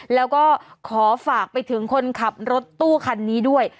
แล้วก็ขอฝากไปถึงคนขับรถตู้คันนี้ด้วย